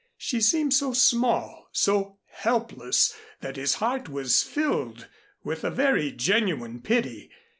She seemed so small, so helpless that his heart was filled with a very genuine pity.